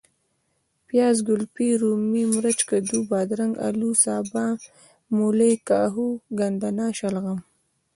پیاز ،ګلفي ،رومي ،مرچ ،کدو ،بادرنګ ،الو ،سابه ،ملۍ ،کاهو ،ګندنه ،شلغم